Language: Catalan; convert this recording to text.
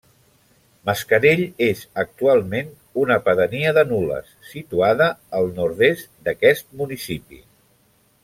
Mascarell és, actualment, una pedania de Nules, situada al nord-est d'aquest municipi.